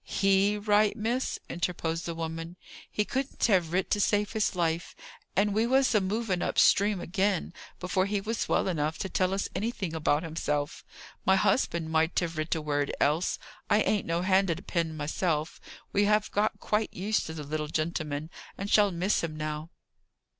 "He write, miss!" interposed the woman. "He couldn't have writ to save his life! And we was a moving up stream again before he was well enough to tell us anything about himself. My husband might have writ a word else; I ain't no hand at a pen myself. We have got quite used to the little gentleman, and shall miss him now."